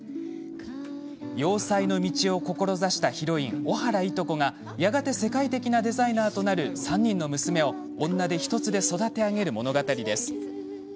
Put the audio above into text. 洋裁の道を志したヒロイン小原糸子がやがて世界的なデザイナーとなる３人の娘を女手一つで育て上げる物語です。